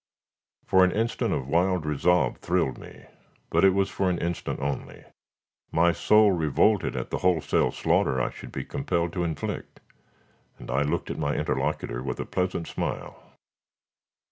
For an instant a wild resolve thrilled me; but it was for an instant only. My soul revolted at the wholesale slaughter I should be compelled to inflict, and I looked at my interlocutor with a pleasant smile.